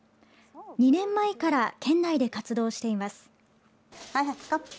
２年前から県内で活動しています。